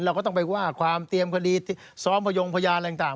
เราก็ต้องไปว่าความเตรียมคดีซ้อมพยงพยานอะไรต่าง